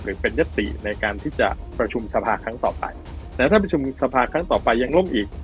หรือเป็นยติในการที่จะประชุมสภาครั้งต่อไปแล้วถ้าประชุมสภาครั้งต่อไปยังล่มอีก